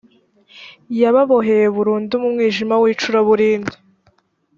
yababoheye burundu mu mwijima w icuraburindi